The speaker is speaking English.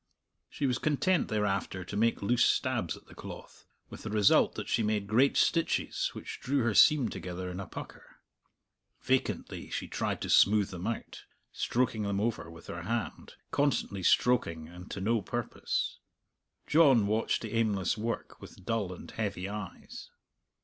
She was content thereafter to make loose stabs at the cloth, with a result that she made great stitches which drew her seam together in a pucker. Vacantly she tried to smooth them out, stroking them over with her hand, constantly stroking and to no purpose. John watched the aimless work with dull and heavy eyes.